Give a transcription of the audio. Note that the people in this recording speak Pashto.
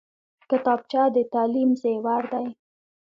کتابچه د تعلیم زیور دی